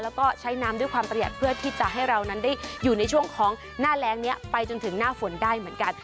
แล้วก็ใช้น้ำด้วยความประหยัดเพื่อที่จะให้เรานั้นได้อยู่ในช่วงของหน้าแรงนี้ไปจนถึงหน้าฝนได้เหมือนกัน